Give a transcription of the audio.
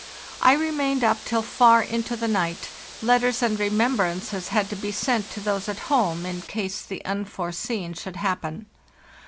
I remained up till far into the night; letters and remembrances had to be sent to those at home, in case the unforeseen should hap pen.